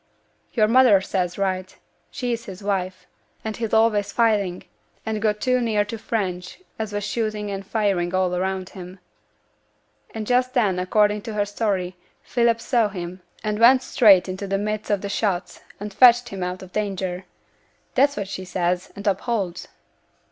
'Yo'r mother says right she is his wife. And he's away fighting; and got too near t' French as was shooting and firing all round him; and just then, according to her story, Philip saw him, and went straight into t' midst o' t' shots, and fetched him out o' danger. That's what she says, and upholds.'